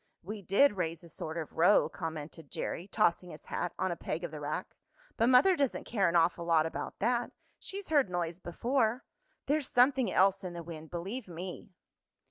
"We did raise a sort of row," commented Jerry, tossing his hat on a peg of the rack. "But mother doesn't care an awful lot about that. She's heard noise before. There's something else in the wind, believe me!"